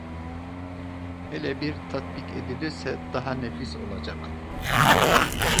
Hele bir tatbik edilirse daha nefis olacak…